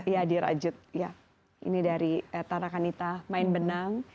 iya di rajut ini dari tanrakanita main benang